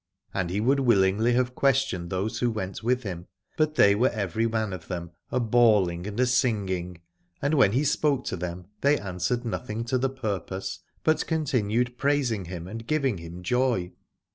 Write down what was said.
And he would willingly have ques tioned those that went with him, but they were every man of them a bawling and a singing, and when he spoke to them they answered nothing to the purpose, but con tinued praising him and giving him joy.